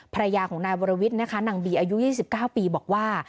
ภรรยาของนายวรวิทย์นะคะนางบีอายุ๒๙ปีบอกว่า